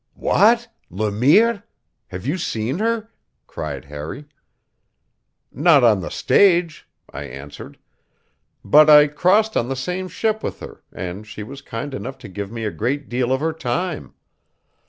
"What? Le Mire! Have you seen her?" cried Harry. "Not on the stage," I answered; "but I crossed on the same ship with her, and she was kind enough to give me a great deal of her time.